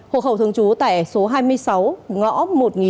hộ khẩu thường trú tại số hai mươi sáu ngõ một nghìn một trăm bốn mươi hai